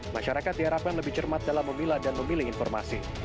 masyarakat diharapkan lebih cermat dalam memilah dan memilih informasi